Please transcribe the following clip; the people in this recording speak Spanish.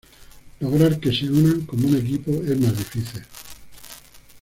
Lograr que se unen como un equipo es más difícil.